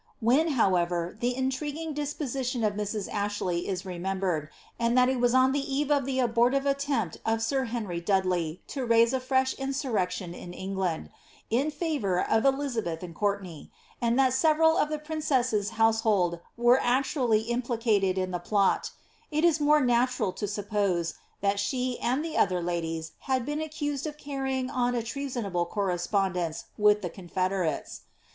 When, however, the in inguing disposition of Mrs. Ashley is remembered, and that it was on the eve of the abortive attempt of sir Henry Dudley to raise a fresh in surrection in England, in favour of Elizabeth and Courtcnay, and that •everal of the princess's household were actually implicated in the plot, it is more natural to suppose, that she and the other ladies had been accused of carrying on a treasonable correspondence with the confede rates.